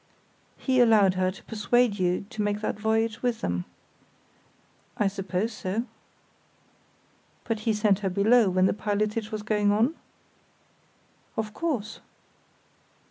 "He allowed her to persuade you to make that voyage with them?" "I suppose so." "But he sent her below when the pilotage was going on?" "Of course."